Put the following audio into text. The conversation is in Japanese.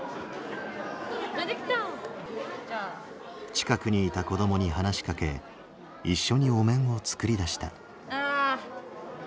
近くにいた子どもに話しかけ一緒にお面を作り出した。